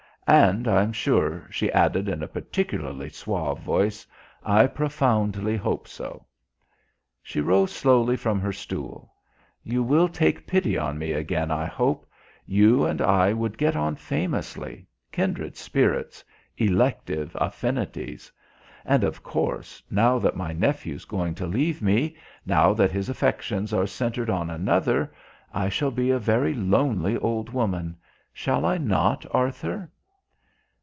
And I'm sure," she added in a particularly suave voice, "I profoundly hope so." She rose slowly from her stool. "You will take pity on me again, I hope. You and I would get on famously kindred spirits elective affinities. And, of course, now that my nephew's going to leave me, now that his affections are centred on another, I shall be a very lonely old woman.... Shall I not, Arthur?"